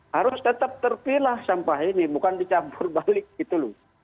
harus tetap terpilah sampah ini bukan dicampur balik gitu loh